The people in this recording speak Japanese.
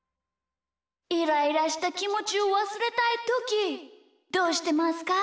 イライラしたきもちをわすれたいときどうしてますか？